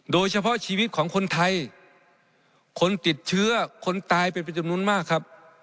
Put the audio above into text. โดยเฉพาะชีวิตของคนไทยคนติดเชื้อคนตายเป็นจำนวนมากครับ